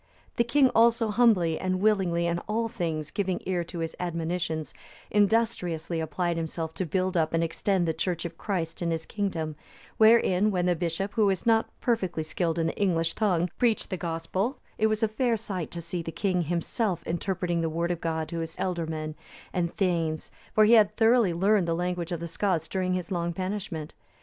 The king also humbly and willingly in all things giving ear to his admonitions, industriously applied himself to build up and extend the Church of Christ in his kingdom; wherein, when the bishop, who was not perfectly skilled in the English tongue, preached the Gospel, it was a fair sight to see the king himself interpreting the Word of God to his ealdormen and thegns, for he had thoroughly learned the language of the Scots during his long banishment.